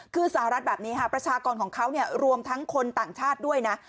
คือสหรัฐแบบนี้ค่ะประชากรของเขารวมทั้งคนต่างชาติด้วยนะ